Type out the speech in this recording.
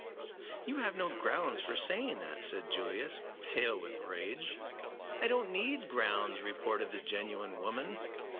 "You have no grounds for saying that," said Julius, pale with rage. "I don't need grounds," retorted the genuine woman.